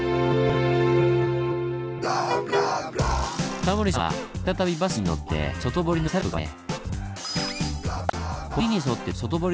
タモリさんは再びバスに乗って外堀の更に外側へ。